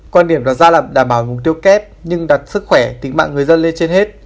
quan điểm đặt ra là đảm bảo mục tiêu kép nhưng đặt sức khỏe tính mạng người dân lên trên hết